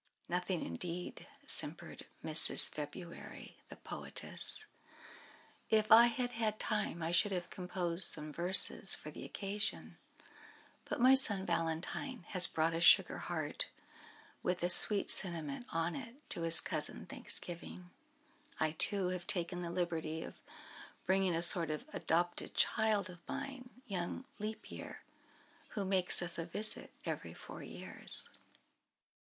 "Nothing, indeed," simpered Mrs. February, the poetess. "If I had had time I should have composed some verses for the occasion; but my son Valentine has brought a sugar heart, with a sweet sentiment on it, to his cousin Thanksgiving. I, too, have taken the liberty of bringing a sort of adopted child of mine, young Leap Year, who makes us a visit every four years."